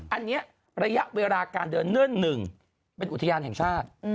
อันนี้ระยะเวลาการเดินเนื่องหนึ่งเป็นอุทยานแห่งชาติ